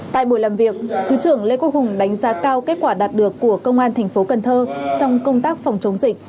tại buổi làm việc thứ trưởng lê quốc hùng đánh giá cao kết quả đạt được của công an thành phố cần thơ trong công tác phòng chống dịch